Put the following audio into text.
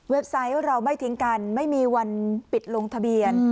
ไซต์เราไม่ทิ้งกันไม่มีวันปิดลงทะเบียน